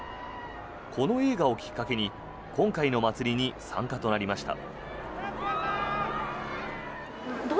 この映画をきっかけに今回の祭りに参加となりました。